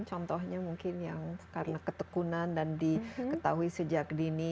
contohnya mungkin yang karena ketekunan dan diketahui sejak dini